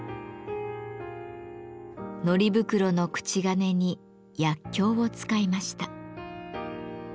糊袋の口金に薬莢を使いました。